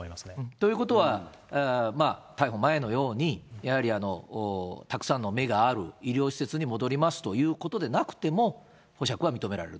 ということは、逮捕前のように、やはりたくさんの目がある、医療施設に戻りますということでなくても、保釈は認められる？